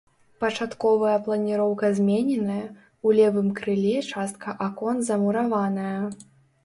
Пачатковая планіроўка змененая, у левым крыле частка акон замураваная.